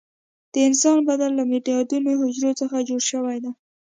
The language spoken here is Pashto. د انسان بدن له میلیاردونو حجرو څخه جوړ شوى ده.